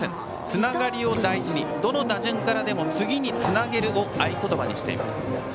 つながりを大事にどの打順からでも次につなげるを合言葉にしていると。